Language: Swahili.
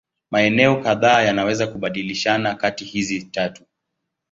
Maeneo kadhaa yanaweza kubadilishana kati hizi tatu.